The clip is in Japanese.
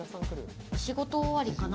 仕事終わりかな？